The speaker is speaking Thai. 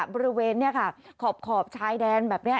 บริเวณนี่ค่ะขอบชายแดนแบบนี้